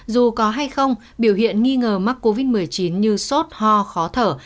dù có hay không biểu hiện nghi ngờ mắc covid một mươi chín như sốt ho khó thở